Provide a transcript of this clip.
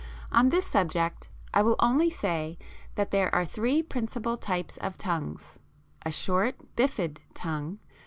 On this subject I will only say that there are three principal types of tongues a short bifid tongue (fig.